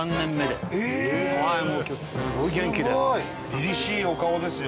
りりしいお顔ですよ。